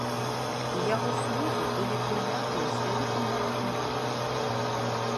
І яго словы былі прынятыя з вялікім натхненнем.